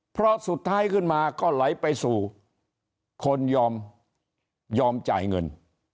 เพราะสุดท้ายขึ้นมาก็ไหลไปสู่คนยอมจ่ายเงิน